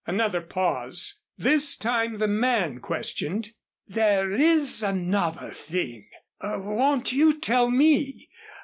Another pause. This time the man questioned: "There is another thing won't you tell me?